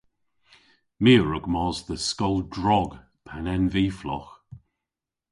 My a wrug mos dhe skol drog pan en vy flogh.